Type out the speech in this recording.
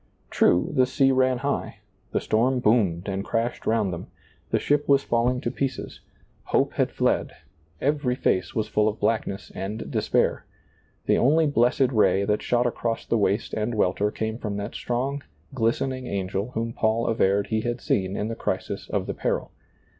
True, the sea ran high, the storm boomed and crashed round them, the ship was falling to pieces, hope had fled, every fece was full of blackness and despair ; the only blessed ray that shot across the waste and welter came from that strong, glistening angel whom Paul averred he had seen in the crisis of the peril.